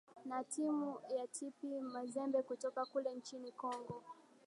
na timu ya tp mazembe kutoka kule nchini congo